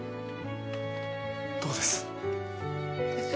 どうです？